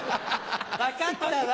分かったわ